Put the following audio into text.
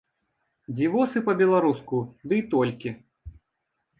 Дзівосы па-беларуску, дый толькі.